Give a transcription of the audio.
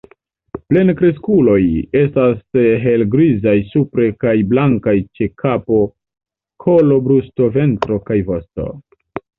Plenkreskuloj estas helgrizaj supre kaj blankaj ĉe kapo, kolo, brusto, ventro kaj vosto.